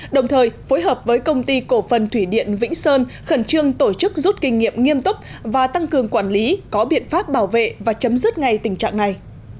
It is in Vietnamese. đồng thời phối hợp với công ty cổ phần thủy điện vĩnh sơn khẩn trương tổ chức rút kinh nghiệm nghiêm túc và tăng cường quản lý có biện pháp bảo vệ và chấm dứt ngay tình trạng này